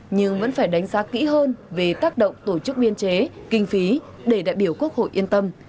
nhưng vẫn phải đánh giá kỹ hơn về tác động tổ chức biên chế kinh phí để đại biểu quốc hội yên tâm